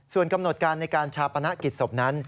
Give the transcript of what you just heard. ส่วนกำหนดการในการชาปนกิจศพนั้น